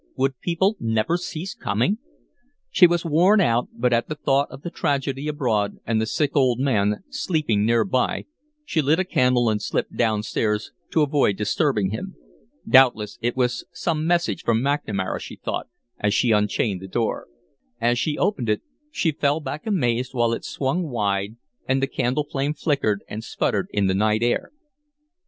Would people never cease coming? She was worn out, but at the thought of the tragedy abroad and the sick old man sleeping near by, she lit a candle and slipped down stairs to avoid disturbing him. Doubtless it was some message from McNamara, she thought, as she unchained the door. As she opened it, she fell back amazed while it swung wide and the candle flame flickered and sputtered in the night air.